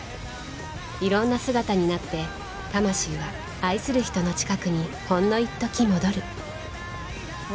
いろんな姿になって魂は愛する人の近くにほんのいっとき戻る